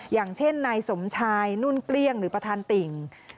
อย่างเช่นนายสมชายนุ่นเกลี้ยงหรือประธานติ่ง